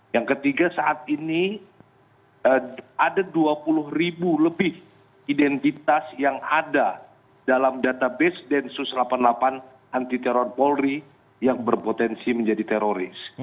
yang ketiga saat ini ada dua puluh ribu lebih identitas yang ada dalam database densus delapan puluh delapan anti teror polri yang berpotensi menjadi teroris